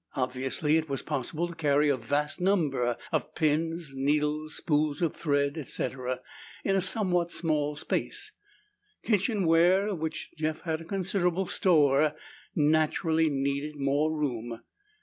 Obviously it was possible to carry a vast number of pins, needles, spools of thread, etc., in a somewhat small space. Kitchen ware, of which Jeff had a considerable store, naturally needed more room.